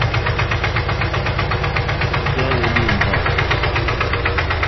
Njɛ̂ à hwélí ìmbâ.